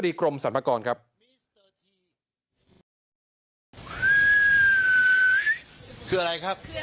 โตกสรรเนี่ย